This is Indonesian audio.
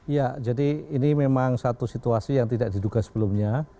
ya jadi ini memang satu situasi yang tidak diduga sebelumnya